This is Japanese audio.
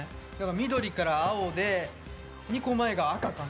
緑から青で２個前が赤かな。